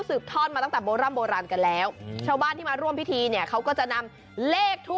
ทอดมาตั้งแต่โบร่ำโบราณกันแล้วชาวบ้านที่มาร่วมพิธีเนี่ยเขาก็จะนำเลขทู